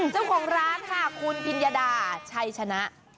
เจ้าของร้านค่ะคุณพิญญดาชัยชนะ